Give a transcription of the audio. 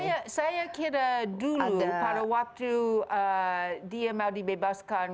ada enggak saya kira dulu pada waktu dia mau dibebaskan